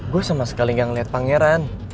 gue sama sekali gak ngeliat pangeran